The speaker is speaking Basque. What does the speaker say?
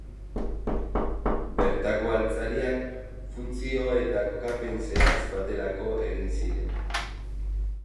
Bertako altzariak funtzio eta kokapen zehatz baterako egin ziren.